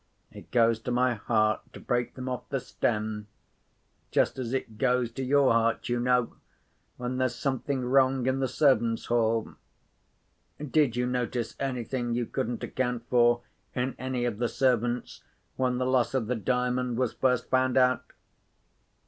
It goes to my heart to break them off the stem. Just as it goes to your heart, you know, when there's something wrong in the servants' hall. Did you notice anything you couldn't account for in any of the servants when the loss of the Diamond was first found out?"